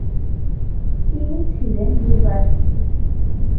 তিনি ছিলেন নির্বাসিত।